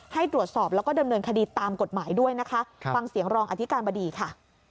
ให้ตรวจสอบแล้วก็ดำเนินคดีตามกฎหมายด้วยนะคะฟังเสียงรองอธิการบดีค่ะ